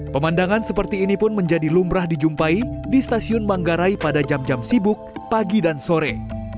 pemandangan seperti ini pun menjadi lumrah dijumpai di stasiun manggarai pada jam jam sibuk pagi dan sore